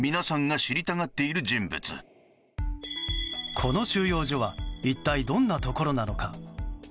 この収容所は一体どんなところなのか。